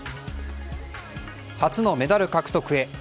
初のメダル獲得へ。